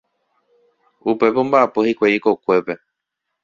Upépe omba'apo hikuái ikokuépe.